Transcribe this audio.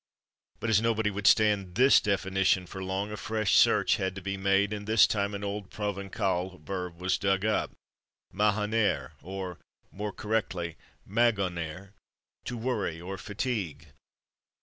But as nobody would stand this definition for long, a fresh search had to be made; and this time an old Provençal verb was dug up mahonner, or more correctly maghonner, to worry or fatigue.